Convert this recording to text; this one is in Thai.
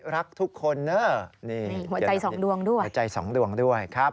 หัวใจสองดวงด้วยครับ